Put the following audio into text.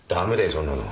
そんなの。